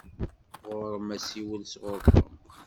Ɣuṛ-m asiwel sɣuṛ Tom.